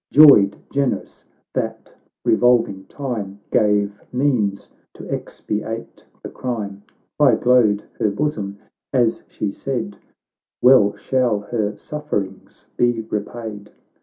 Joyed, generous, that revolving time Gave means to expiate the crime. High glowed her bosom as she said, "Well shall ber sufferings be repaid